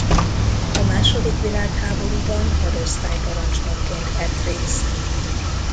A második világháborúban hadosztályparancsnokként vett részt.